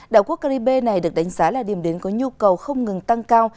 đảo quốc caribe này được đánh giá là điểm đến có nhu cầu không ngừng tăng cao